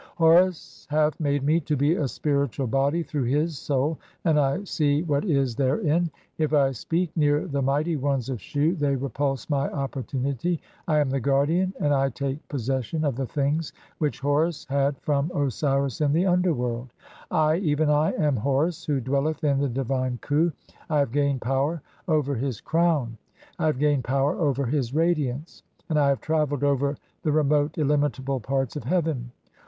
Horus hath "made me to be a spiritual body through his soul, [and I see "what is therein. If I speak near the mighty ones of Shu they "repulse my opportunity. I am the guardian and I] take possession "of the things which Horus had from Osiris in the underworld. "I, even I, (33) am Horus who dwelleth in the divine Khu. [I] "have gained power over his crown, I have gained power over "his radiance, and I have travelled over the remote, illimitable "parts of (34) heaven.